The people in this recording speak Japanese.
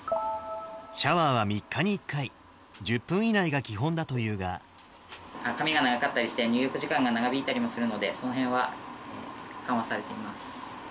シャワーは３日に１回、髪が長かったりして、入浴時間が長引いたりもするので、そのへんは緩和されています。